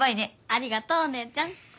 ありがとうお姉ちゃん。